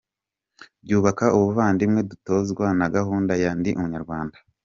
Byubaka ubuvandimwe dutozwa na Gahunda ya Ndi Umunyarwanda.